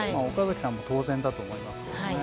岡崎さんも当然だと思いますけどね。